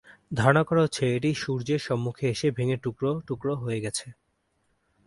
ধারণা করে হচ্ছে এটি সূর্যের সম্মুখে এসে ভেঙ্গে টুকরো টুকরো হয়ে গেছে।